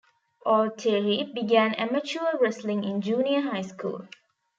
Altieri began amateur wrestling in junior high school.